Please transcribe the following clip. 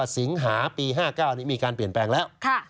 สิงหาปี๕๙นี้มีการเปลี่ยนแปลงแล้ว